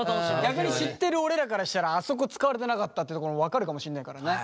逆に知ってる俺らからしたらあそこ使われてなかったってところ分かるかもしんないからね。